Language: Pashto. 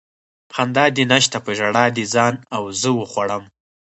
خندا دې نشته په ژړا دې ځان او زه وخوړم